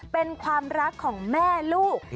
เป็นความรักของแม่ลูก